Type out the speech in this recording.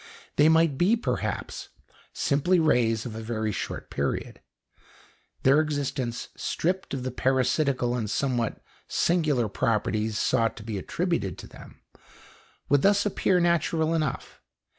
They might be, perhaps, simply rays of a very short period. Their existence, stripped of the parasitical and somewhat singular properties sought to be attributed to them, would thus appear natural enough.